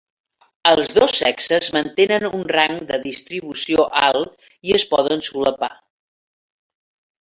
Els dos sexes mantenen un rang de distribució alt i es poden solapar.